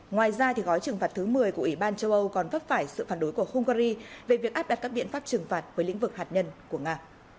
ngoài ra gói trừng phạt thứ một mươi của ủy ban châu âu còn vấp phải sự phản đối của hungary về việc áp đặt các biện pháp trừng phạt với lĩnh vực hạt nhân của nga